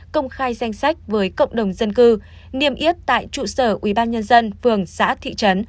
công khai danh sách với cộng đồng dân cư niêm yết tại trụ sở ubnd phường xã thị trấn